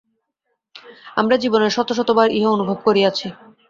আমরা জীবনে শত শত বার ইহা অনুভব করিয়াছি।